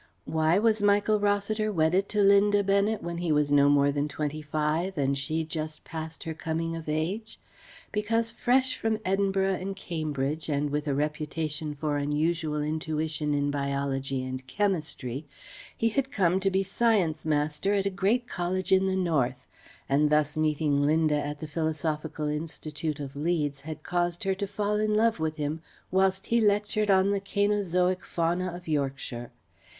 Why was Michael Rossiter wedded to Linda Bennet when he was no more than twenty five, and she just past her coming of age? Because fresh from Edinburgh and Cambridge and with a reputation for unusual intuition in Biology and Chemistry he had come to be Science master at a great College in the North, and thus meeting Linda at the Philosophical Institute of Leeds had caused her to fall in love with him whilst he lectured on the Cainozoic fauna of Yorkshire.